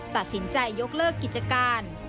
ตัดสินใจยกเลิกกิจการ